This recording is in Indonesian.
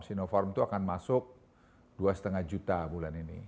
sinopharm itu akan masuk dua lima juta bulan ini